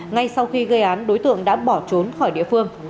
ngay sau khi gây án đối tượng đã bỏ trốn khỏi địa phương